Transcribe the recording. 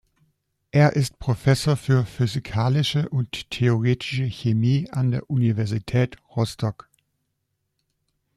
Er ist Professor für Physikalische und Theoretische Chemie an der Universität Rostock.